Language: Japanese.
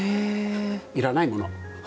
要らないもの。